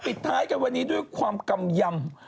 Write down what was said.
ปิดท้ายกันวันนี้ด้วยความกำยำ